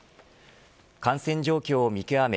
感染状況を見極め